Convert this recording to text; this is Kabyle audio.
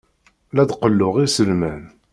La d-qelluɣ iselman.